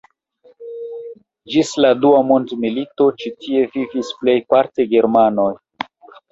Ĝis la dua mondmilito ĉi tie vivis plejparte germanoj.